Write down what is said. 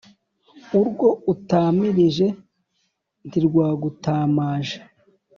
urwo utamirije ntirwagutamaje